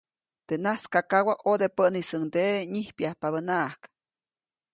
Teʼ najskakawa, ʼodepäʼnisuŋdeʼe nyijpyajpabäʼnaʼajk.